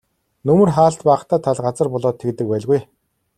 Нөмөр хаалт багатай тал газар болоод тэгдэг байлгүй.